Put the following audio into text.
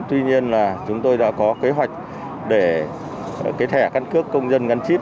tuy nhiên là chúng tôi đã có kế hoạch để cái thẻ căn cước công dân ngăn chip